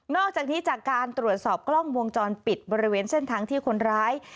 อกจากนี้จากการตรวจสอบกล้องวงจรปิดบริเวณเส้นทางที่คนร้าย